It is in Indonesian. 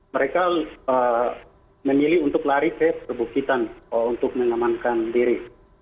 mereka memilih untuk lari ke perbukitan untuk mengamankan diri